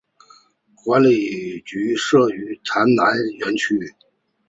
管理局设于台南园区。